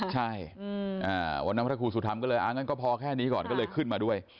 ใช่วันนั้นพระครูสุธรรมก็เลยงั้นก็พอแค่นี้ก่อนก็เลยขึ้นมาด้วย